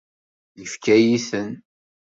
Yefka-yi-ten.